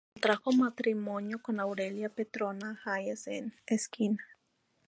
Contrajo matrimonio con Aurelia Petrona Hayes en Esquina.